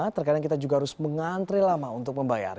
terkadang kita juga harus mengantri lama untuk membayar